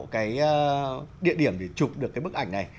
cái địa điểm để chụp được cái bức ảnh này